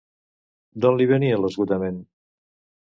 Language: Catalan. D'on li venia l'esgotament?